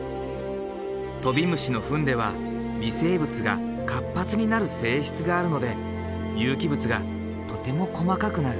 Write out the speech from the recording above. トビムシの糞では微生物が活発になる性質があるので有機物がとても細かくなる。